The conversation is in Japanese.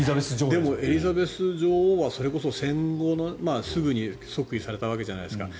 でも、エリザベス女王はそれこそ戦後すぐに即位されたわけじゃないですか。